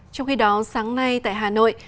trong khi đó sáng nay tại hà nội